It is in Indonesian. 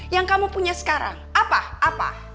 yang kamu punya sekarang apa apa